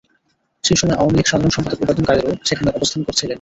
সেই সময় আওয়ামী লীগ সাধারণ সম্পাদক ওবায়দুল কাদেরও সেখানে অবস্থান করছিলেন।